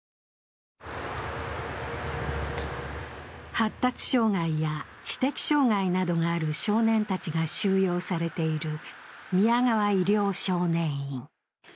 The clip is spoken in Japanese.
発達障害や知的障害などがある少年たちが収容されている宮川医療少年院。